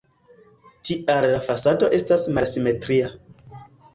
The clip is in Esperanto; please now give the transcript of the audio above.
Tial la fasado estas malsimetria.